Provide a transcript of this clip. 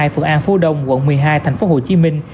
phường an phú đông quận một mươi hai thành phố hồ chí minh